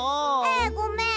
えごめん。